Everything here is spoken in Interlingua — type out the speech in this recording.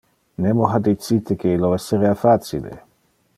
Nemo ha dicite que illo esserea facile.